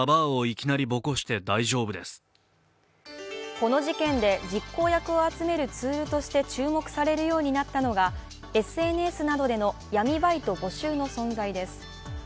この事件で、実行役を集めるツールとして注目されるようになったのが、ＳＮＳなどでの闇バイト募集の存在です。